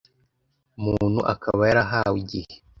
Muntu akaba yarahawe igihe